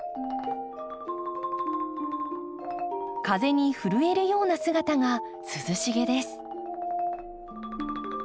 風に震えるような姿が涼しげです。